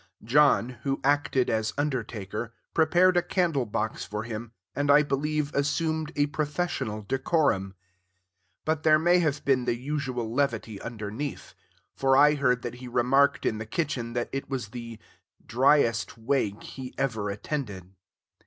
John, who acted as undertaker, prepared a candle box for him and I believe assumed a professional decorum; but there may have been the usual levity underneath, for I heard that he remarked in the kitchen that it was the "driest wake he ever attended."